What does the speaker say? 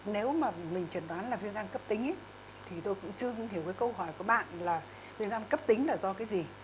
nếu mà mình chẩn đoán là viêm gan cấp tính thì tôi cũng chưa hiểu cái câu hỏi của bạn là viêm gan cấp tính là do cái gì